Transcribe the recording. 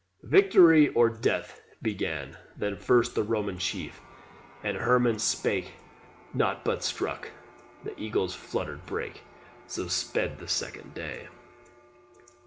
"Victory or Death!" began Then, first, the Roman chief; and Herrman spake Not, but home struck: the eagles fluttered brake. So sped the SECOND day.